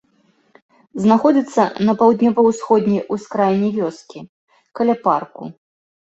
Знаходзіцца на паўднёва-ўсходняй ускраіне вёскі, каля парку.